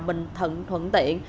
mình thuận tiện